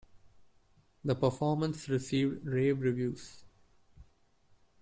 The performance received rave reviews.